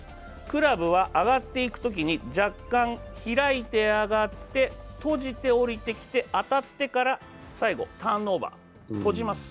クラブは上がっていくときに若干、開いて上がって閉じて下りてきて当たってから最後、ターンオーバー閉じます。